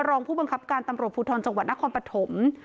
รองผู้บังคับการตำรวจภูทรจังหวัดนครปฐม